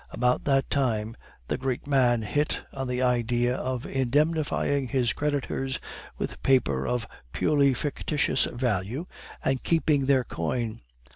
About that time, the great man hit on the idea of indemnifying his creditors with paper of purely fictitious value and keeping their coin.